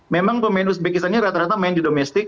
memang pemain uzbekistannya rata rata main di domestik